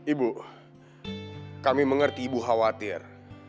ibu kami mengerti ibu khawatir